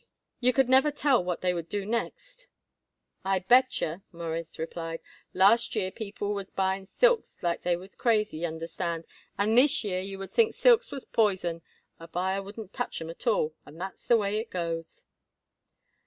"You could never tell what they would do next." "I bet yer," Morris replied. "Last year people was buying silks like they was crazy, y'understand, and this year you would think silks was poison. A buyer wouldn't touch 'em at all, and that's the way it goes."